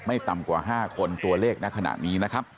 ต่ำกว่า๕คนตัวเลขในขณะนี้นะครับ